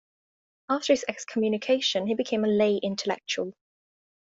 After his excommunication he became a lay intellectual.